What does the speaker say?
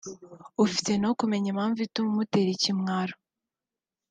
ufite no kumenya impamvu rero ituma umutera ikimwaro